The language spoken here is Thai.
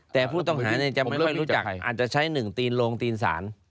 แต่ผู้ต้องหาจะไม่ค่อยรู้จักอาจจะใช้หนึ่งตีนโรงตีนศาล